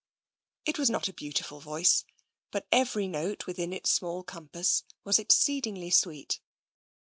It was not a beautiful voice, but every note within its small compass was exceedingly sweet.